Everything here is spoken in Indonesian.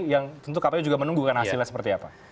yang tentu kpu juga menunggu kan hasilnya seperti apa